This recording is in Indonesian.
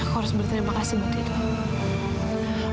aku harus berterima kasih buat dia dulu